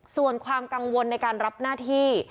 ส่วนความกังวลในการรับหน้าที่